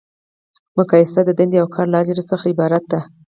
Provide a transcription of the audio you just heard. مقایسه د دندې او کار له اجرا څخه عبارت ده.